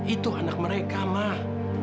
itu anak mereka mah